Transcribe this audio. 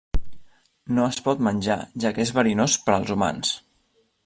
No es pot menjar, ja que és verinós per als humans.